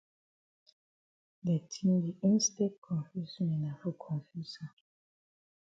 De tin di instead confuse me na for confuse am.